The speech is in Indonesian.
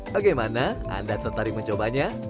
bagaimana anda tertarik mencobanya